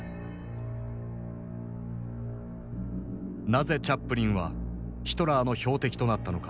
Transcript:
なぜチャップリンはヒトラーの標的となったのか。